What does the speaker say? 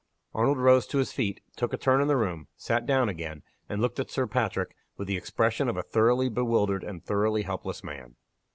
Arnold rose to his fee t took a turn in the room sat down again and looked at Sir Patrick, with the expression of a thoroughly bewildered and thoroughly helpless man.